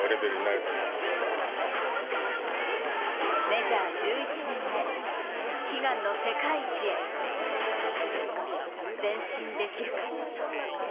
メジャー１１年目、悲願の世界一へ前進できるか。